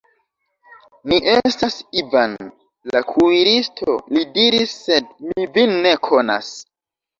Mi estas Ivan, la kuiristo, li diris, sed mi vin ne konas.